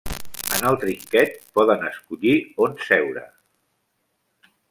En el trinquet, poden escollir on seure.